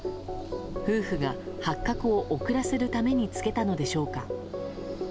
夫婦が発覚を遅らせるためにつけたのでしょうか。